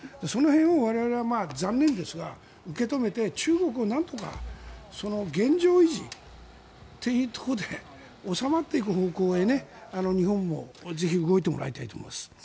その辺を我々は残念ですが受け止めて中国をなんとか現状維持というところで収まっていく方向へ日本もぜひ動いてもらいたいと思います。